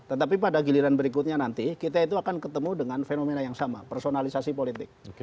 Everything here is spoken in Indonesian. tetapi pada giliran berikutnya nanti kita itu akan ketemu dengan fenomena yang sama personalisasi politik